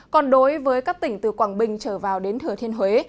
còn đối với các tỉnh từ quảng bình trở vào đến thừa thiên huế